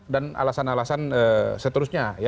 dan alasan alasan seterusnya